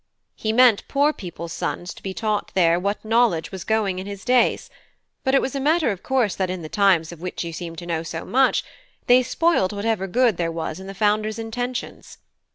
"He meant poor people's sons to be taught there what knowledge was going in his days; but it was a matter of course that in the times of which you seem to know so much they spoilt whatever good there was in the founder's intentions.